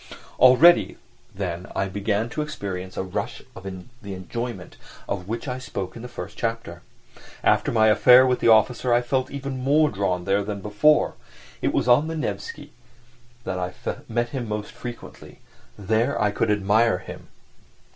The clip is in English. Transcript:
Already then I began to experience a rush of the enjoyment of which I spoke in the first chapter. After my affair with the officer I felt even more drawn there than before: it was on the Nevsky that I met him most frequently, there I could admire him.